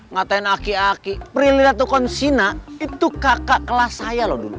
ngatain aki aki prililatukon sina itu kakak kelas saya loh dulu